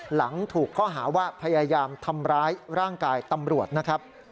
หลังถูกข้อหาว่าพยายามทำร้ายร่างกายตำรวจนะครับ